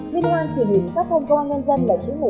liên hoàn truyền hình phát thanh công an nhân dân lần thứ một mươi ba